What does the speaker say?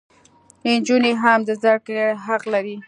انجونې هم د زدکړي حق لري